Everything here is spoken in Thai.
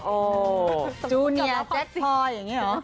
โอ้โหจูเนียแจ็คพอร์อย่างนี้เหรอ